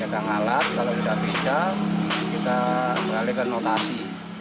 megang alat kalau sudah pisah kita beralihkan notasi